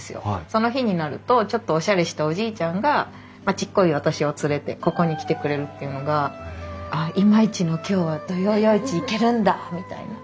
その日になるとちょっとおしゃれしたおじいちゃんがちっこい私を連れてここに来てくれるっていうのが「ああ今日は土曜夜市行けるんだ」みたいな。